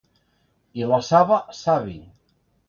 I la saba, savi!